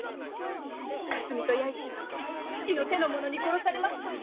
かすみと弥市は父の手の者に殺されました。